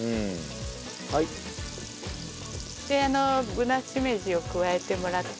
ぶなしめじを加えてもらって。